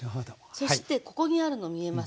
そしてここにあるの見えます？